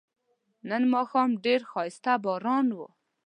نن ماښام ډیر خایسته باران و